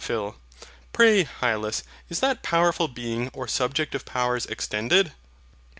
PHIL. Pray, Hylas, is that powerful Being, or subject of powers, extended?